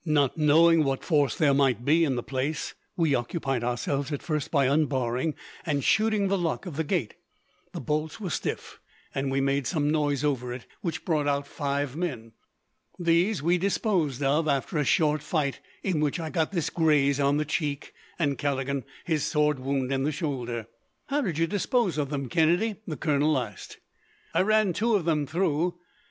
Not knowing what force there might be in the place, we occupied ourselves, at first, by unbarring and shooting the lock of the gate. The bolts were stiff, and we made some noise over it, which brought out five men. These we disposed of, after a short fight, in which I got this graze on the cheek, and Callaghan his sword wound in the shoulder." "How did you dispose of them, Kennedy?" the colonel asked. "I ran two of them through.